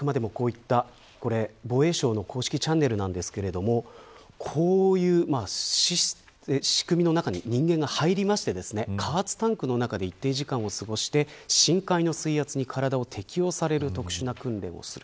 防衛省の公式チャンネルなんですがこういう仕組みの中に人間が入り加圧タンクの中で一定時間を過ごして水圧に体を適応させる特殊な訓練をする。